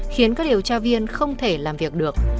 khiến các điều tra viên không thể làm việc được